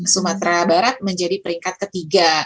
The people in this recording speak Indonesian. sumatera barat menjadi peringkat ketiga